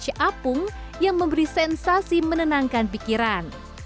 deksi apung yang memberi sensasi menenangkan pikiran